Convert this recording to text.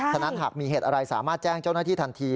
ฉะนั้นหากมีเหตุอะไรสามารถแจ้งเจ้าหน้าที่ทันที